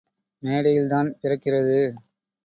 மேடையில் தான் பிறக்கிறது!